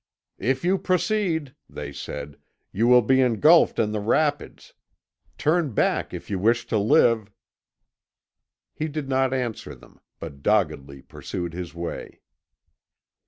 "If you proceed," they said, "you will be engulfed in the rapids. Turn back if you wish to live." He did not answer them, but doggedly pursued his way.